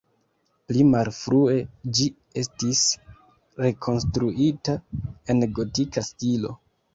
Pli malfrue ĝi estis rekonstruita en gotika stilo.